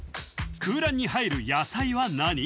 空欄に入る野菜は何？